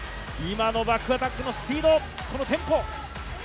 今のバックアタックのスピード、テンポ。